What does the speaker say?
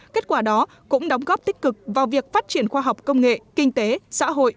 kết quả đó cũng đóng góp tích cực vào việc phát triển khoa học công nghệ kinh tế xã hội